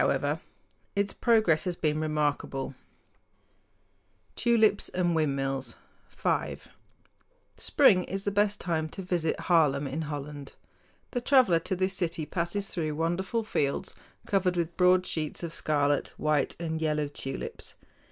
[Illustration: SCENE IN HAARLEM] HOLLAND Tulips and Windmills FIVE Spring is the best time to visit Haarlem in Holland. The traveler to this city passes through wonderful fields covered with broad sheets of scarlet, white, and yellow tulips.